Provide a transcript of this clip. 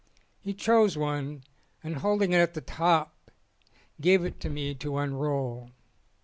He chose one and holding it at the top gave it to me to unroll.